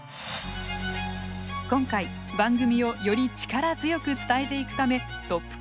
今回番組をより力強く伝えていくためトップ